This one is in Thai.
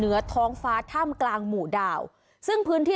มือบับเหลือมือบับเหลือ